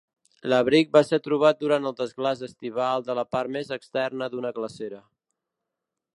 L'abric va ser trobat durant el desglaç estival de la part més externa d'una glacera.